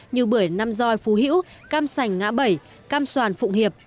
như bưởi năm roi phú hữu cam sành ngã bẩy cam soàn phụng hiệp